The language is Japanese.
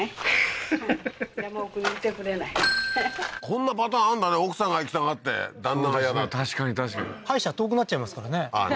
こんなパターンあんだね奥さんが行きたがって旦那がやだっていう確かに確かに歯医者遠くなっちゃいますからねあっ